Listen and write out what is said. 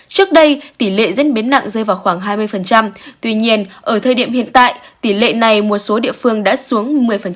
trước đây tỷ lệ diễn biến nặng rơi vào khoảng hai mươi tuy nhiên ở thời điểm hiện tại tỷ lệ này một số địa phương đã xuống một mươi